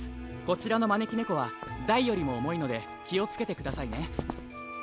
こちらのまねきねこは大よりもおもいのできをつけてくださいね。